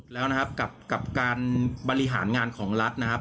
แล้วนะครับกับการบริหารงานของรัฐนะครับ